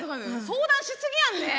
相談し過ぎやんねえ。